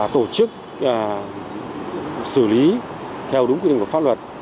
tổ chức xử lý theo đúng quy định của pháp luật